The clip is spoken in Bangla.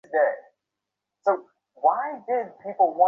এত টাকা খরচ হয়ে গেছে?